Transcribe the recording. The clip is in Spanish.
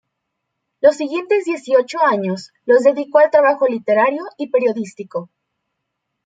Los siguientes dieciocho años los dedicó al trabajo literario y periodístico.